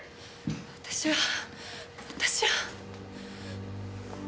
私は私は。